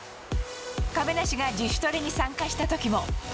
亀梨が自主トレに参加したときも。